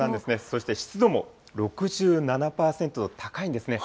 そして湿度も６７％と高いんですね。